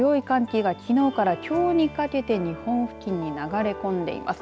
この時期としては強い寒気がきのうからきょうにかけて日本付近に流れ込んでいます。